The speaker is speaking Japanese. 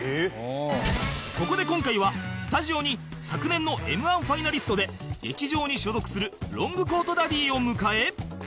そこで今回はスタジオに昨年の Ｍ−１ ファイナリストで劇場に所属するロングコートダディを迎え